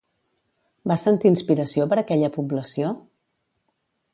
Va sentir inspiració per aquella població?